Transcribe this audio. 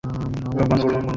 এটা আমার ছেলে যশও হতে পারতো।